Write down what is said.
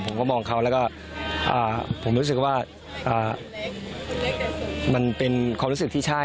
ผมก็มองเขาแล้วก็ผมรู้สึกว่ามันเป็นความรู้สึกที่ใช่